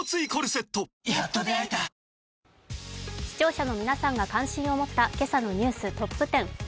視聴者の皆さんが関心を持った今朝のニューストップ１０。